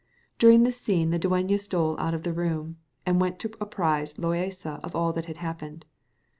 During this scene the dueña stole out of the room, and went to apprize Loaysa of all that had happened.